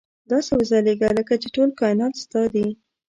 داسې وځلېږه لکه چې ټول کاینات ستا دي.